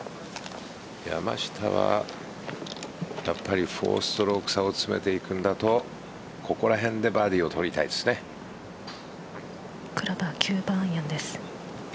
山下はやっぱり４ストローク差を詰めていくんだとここらへんでバーディーをクラブは９番アイアンです。